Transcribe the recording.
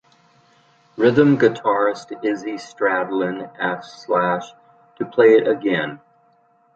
Rhythm guitarist Izzy Stradlin asked Slash to play it again.